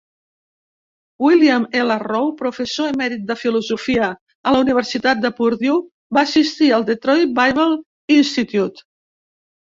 William L. Rowe, professor emèrit de Filosofia a la Universitat de Purdue, va assistir al Detroit Bible Institute.